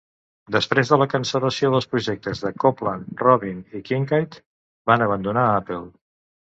Després de la cancel·lació del projectes de Copland, Robbin i Kincaid van abandonar Apple.